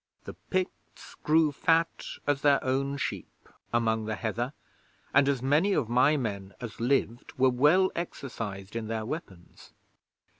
The Picts grew fat as their own sheep among the heather, and as many of my men as lived were well exercised in their weapons.